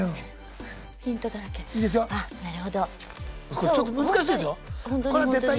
これちょっと難しいですよ。